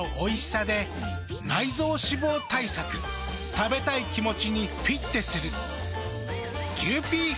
食べたい気持ちにフィッテする。